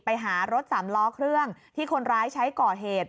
ไปหารถสามล้อเครื่องที่คนร้ายใช้ก่อเหตุ